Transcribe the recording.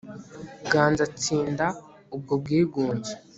ganza tsinda ubwo bwigunge